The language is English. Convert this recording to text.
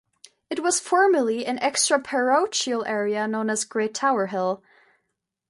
It was formerly an extra-parochial area known as Great Tower Hill.